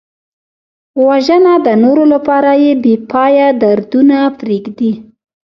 وژنه د نورو لپاره بېپایه دردونه پرېږدي